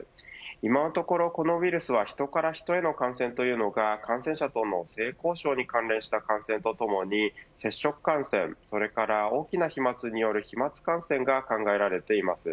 今のところ、このウイルスはヒトからヒトへの感染というのが感染者との性交渉に関連した感染とともに接触感染それから大きな飛まつによる飛まつ感染が考えられています。